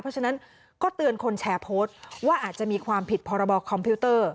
เพราะฉะนั้นก็เตือนคนแชร์โพสต์ว่าอาจจะมีความผิดพรบคอมพิวเตอร์